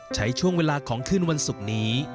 ใช้ช่วงเวลาของคืนวันศุกร์นี้